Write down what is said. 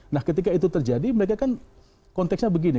nah ketika itu terjadi mereka kan konteksnya begini